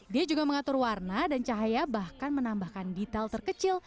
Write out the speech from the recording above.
dia juga mengatur warna dan cahaya bahkan menambahkan detail terkecil